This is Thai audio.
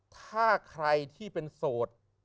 ถ้าใครที่เป็นโสด